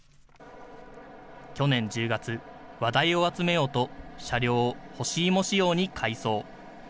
去年１０月、話題を集めようと、車両をほしいも仕様に改装。